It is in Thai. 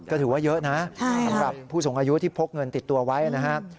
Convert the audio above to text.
ก็ถือว่าเยอะนะสำหรับผู้สูงอายุที่พกเงินติดตัวไว้นะครับ